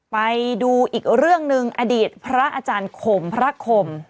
ไปดูอีกเรื่องหนึ่งอดีตพระอาจารย์ขมพระคม